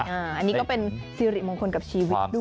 อันนี้ก็เป็นสิริมงคลกับชีวิตด้วย